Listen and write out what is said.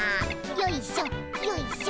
よいしょよいしょ。